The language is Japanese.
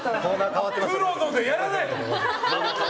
プロのでやらない！